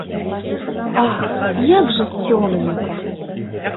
Ах, як жа цёмненька!